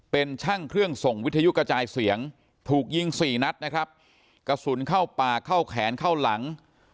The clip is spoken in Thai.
เป็นช่างเครื่องส่งวิทยุกระจายเสียงถูกยิงสี่นัดนะครับกระสุนเข้าปากเข้าแขนเข้าหลัง